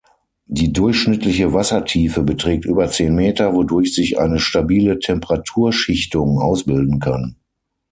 Die durchschnittliche Wassertiefe beträgt über zehn Meter, wodurch sich eine stabile Temperaturschichtung ausbilden kann.